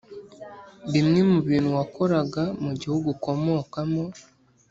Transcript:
Bimwe mu bintu wakoraga mu gihugu ukomokamo